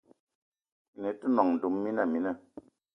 Mini te nòṅ duma mina mina